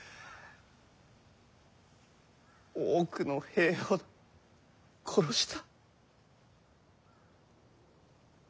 多くの兵を殺した。